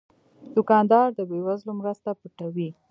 دوکاندار د بې وزلو مرسته پټوي.